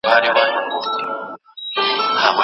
فردوسي ويلي و چي د ودونو ډولونه توپير لري.